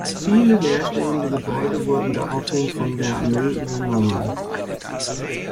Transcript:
Viele leerstehende Gebäude wurden daraufhin von der Armee übernommen.